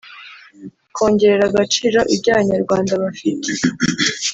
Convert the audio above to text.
kongerera agaciro ibyo Abanyarwanda bafite